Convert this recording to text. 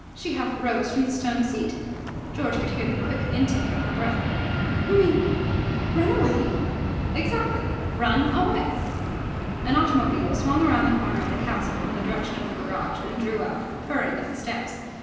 She half rose from the stone seat. George could hear the quick intake of her breath. "You mean run away?" "Exactly. Run away!" An automobile swung round the corner of the castle from the direction of the garage, and drew up, purring, at the steps.